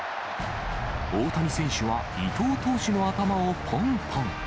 大谷選手は伊藤投手の頭をぽんぽん。